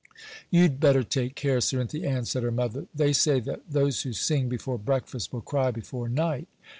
'You'd better take care, Cerinthy Ann,' said her mother; 'they say that "those who sing before breakfast, will cry before night."